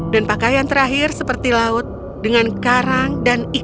dan pakaian terakhir seperti laut dengan karang dan ikan